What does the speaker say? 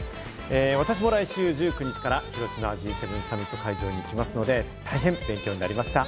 私も来週１９日から広島Ｇ７サミットの会場に行きますので大変、勉強になりました。